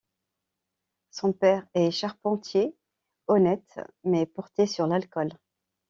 Son père est charpentier, honnête mais porté sur l'alcool.